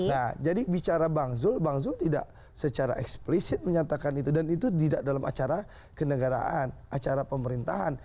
nah jadi bicara bang zul bang zul tidak secara eksplisit menyatakan itu dan itu tidak dalam acara kenegaraan acara pemerintahan